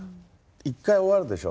１回終わるでしょ